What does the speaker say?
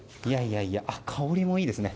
香りもいいですね。